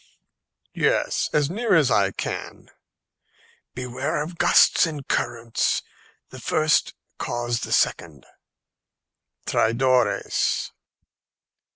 "Yes, as near as I can." "Beware of gusts and currents. The first cause the second." "Traidores."